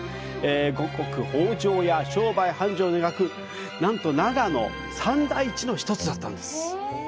五穀豊穣や商売繁盛を願うなんと長野三大市の１つだったんです。